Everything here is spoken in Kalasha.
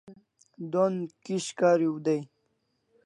Don kish kariu day